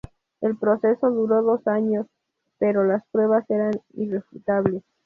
El proceso duró dos años pero las pruebas eran irrefutables.